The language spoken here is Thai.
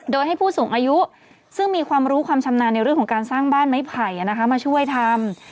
โดยให้ผู้สูงอายุซึ่งมีความรู้ความชำนาญในเรื่องของการสร้างบ้านไม้ไผ่มาช่วยทำ